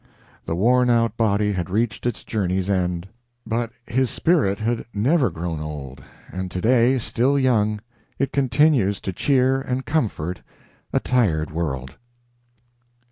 The worn out body had reached its journey's end; but his spirit had never grown old, and to day, still young, it continues to cheer and comfort a tired world.